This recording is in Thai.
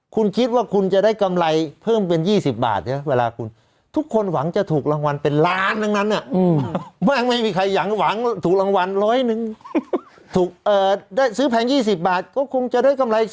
คุณคิดว่าคุณจะได้กำไรเพิ่มเป็น๒๐บาทเวลาคุณทุกคนหวังจะถูกรางวัลเป็นล้านทั้งนั้น